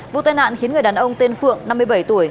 vụ tai nạn khiến người đàn ông tên phượng năm mươi bảy tuổi